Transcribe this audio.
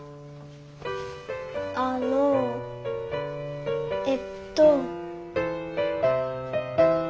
あのえっと。